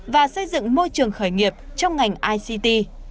và xây dựng môi trường khởi nghiệp trong ngành ict